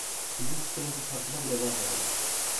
Bizim çıktığımızın farkına bile varmadılar.